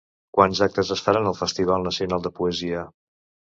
Quants actes es faran al Festival Nacional de Poesia?